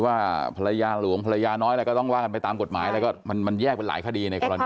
ว่าภรรยาหลวงภรรยาน้อยก็ต้องกว่าตามกฎหมายมันแยกเป็นหลายคดีในกรณีนี้